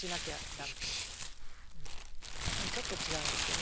うんちょっと違うんですけど。